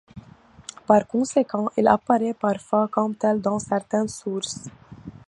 Par conséquent, il apparaît parfois comme tel dans certaines sources.